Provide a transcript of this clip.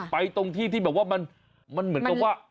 ไปตรงที่ที่เหมือนกับว่า